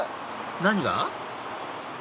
何が？